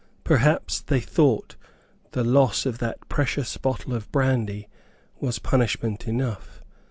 Perhaps they thought the loss of that precious bottle of brandy was punishment enough.